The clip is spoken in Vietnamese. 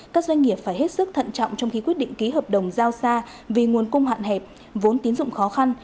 các doanh nghiệp phải hết sức thận trọng trong khi quyết định ký hợp đồng giao xa vì nguồn cung hạn hẹp vốn tín dụng khó khăn